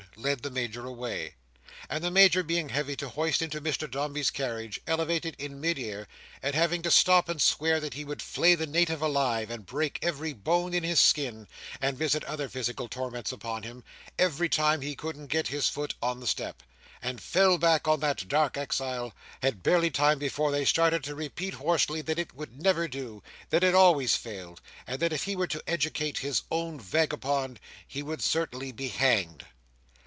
led the Major away. And the Major being heavy to hoist into Mr Dombey's carriage, elevated in mid air, and having to stop and swear that he would flay the Native alive, and break every bone in his skin, and visit other physical torments upon him, every time he couldn't get his foot on the step, and fell back on that dark exile, had barely time before they started to repeat hoarsely that it would never do: that it always failed: and that if he were to educate "his own vagabond," he would certainly be hanged.